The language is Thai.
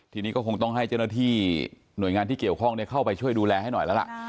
ทีนี้ก็คงต้องให้เจ้าหน้าที่หน่วยงานที่เกี่ยวข้องเข้าไปช่วยดูแลให้หน่อยแล้วล่ะ